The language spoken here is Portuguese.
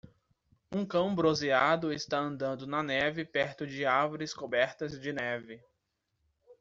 Um cão bronzeado está andando na neve perto de árvores cobertas de neve.